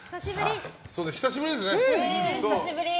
久しぶりですね。